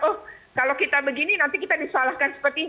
oh kalau kita begini nanti kita disalahkan seperti ini